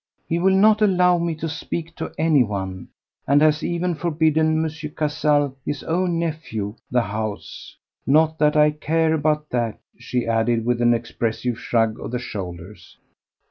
He will not allow me to speak to anyone, and has even forbidden M. Cazalès, his own nephew, the house. Not that I care about that," she added with an expressive shrug of the shoulders.